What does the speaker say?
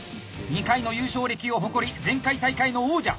２回の優勝歴を誇り前回大会の王者。